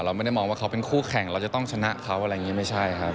เราไม่ได้มองว่าเขาเป็นคู่แข่งเราจะต้องชนะเขาอะไรอย่างนี้ไม่ใช่ครับ